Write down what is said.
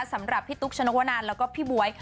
สำหรับพี่ตุ๊กชนกวนันแล้วก็พี่บ๊วย